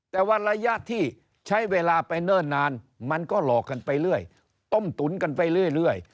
แต่ว่าระยะที่ใช้เวลาไปเนิ่นนานมันก็หลอกกันไปเรื่อยต้มตุ๋นกันไปเรื่อย